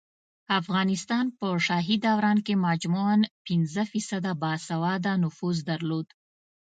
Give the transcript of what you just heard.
افغانستان په شاهي دوران کې مجموعاً پنځه فیصده باسواده نفوس درلود